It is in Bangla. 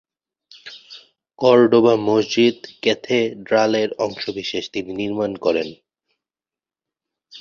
কর্ডোবা মসজিদ-ক্যাথেড্রালের অংশবিশেষ তিনি নির্মাণ করেন।